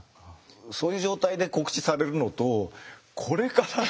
そういう状態で告知されるのとこれから。